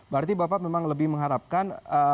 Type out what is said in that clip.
berarti bapak memang lebih mengharapkan